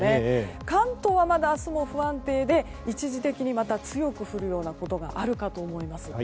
関東はまだ明日も不安定で一時的にまた強く降るようなことがあるかと思います。